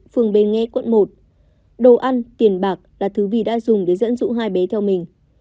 phường bê nghê quận một đồ ăn tiền bạc là thứ vi đã dùng để dẫn dụ hai bé theo mình